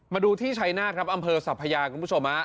มาดูที่ชัยนาธครับอำเภอสัพพยาคุณผู้ชมฮะ